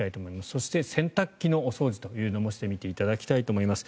そして洗濯機のお掃除というのもしてみていただきたいと思います。